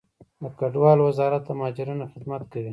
د کډوالو وزارت د مهاجرینو خدمت کوي